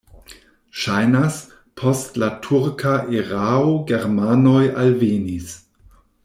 Ŝajnas, post la turka erao germanoj alvenis.